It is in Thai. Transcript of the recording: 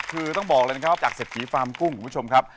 คือต้องบอกเลยนะครับจากเศรษฐีฟาร์มกุ้งคุณผู้ชมครับ